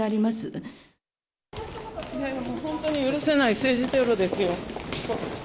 本当に許せない、政治テロですよ。